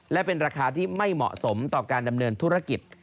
และเป็นราคาที่ไม่เหมาะสมต่อการดำเนินธุรกิจ